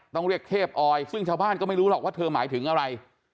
ต้องเรียกเทพอออยซึ่งชาวบ้านก็ไม่รู้หรอกว่าเธอหมายถึงอะไร